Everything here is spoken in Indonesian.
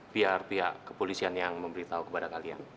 pihak pihak kepolisian yang memberitahu kepada kalian